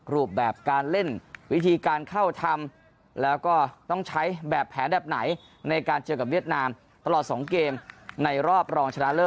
รูปแบบการเล่นวิธีการเข้าทำแล้วก็ต้องใช้แบบแผนแบบไหนในการเจอกับเวียดนามตลอด๒เกมในรอบรองชนะเลิศ